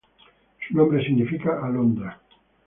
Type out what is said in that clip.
Su nombre significa alondra.